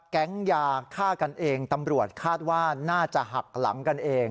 แก๊งยาฆ่ากันเองตำรวจคาดว่าน่าจะหักหลังกันเอง